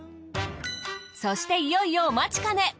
そしていよいよお待ちかね。